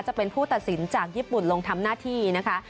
จะเป็นผู้ตัดสินจากญี่ปุ่นลงทำหน้าที่นะคะ